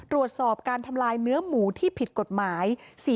ตรวจสอบการทำลายเนื้อหมูที่ผิดกฎหมาย